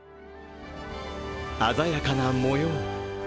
鮮やかな模様。